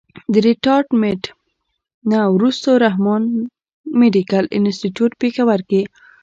د ريټائرډ منټ نه وروستو رحمان مېډيکل انسټيتيوټ پيښور کښې